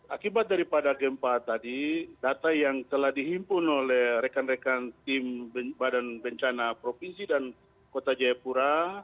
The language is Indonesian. akibat daripada gempa tadi data yang telah dihimpun oleh rekan rekan tim badan bencana provinsi dan kota jayapura